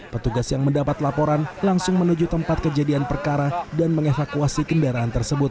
petugas yang mendapat laporan langsung menuju tempat kejadian perkara dan mengevakuasi kendaraan tersebut